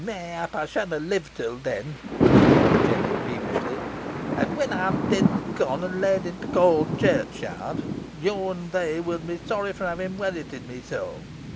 "Mayhap ey shanna live till then," rejoined Jennet, peevishly, "and when ey'm dead an' gone, an' laid i' t' cowld churchyard, yo an they win be sorry fo having werreted me so."